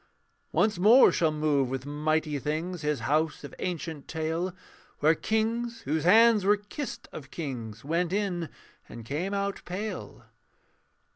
Once more shall move with mighty things His house of ancient tale, Where kings whose hands were kissed of kings Went in: and came out pale.